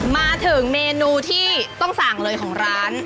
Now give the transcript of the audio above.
มาถึงเมนูที่ต้องสั่งเลยของร้าน